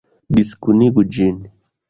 Diskunigu ĝin!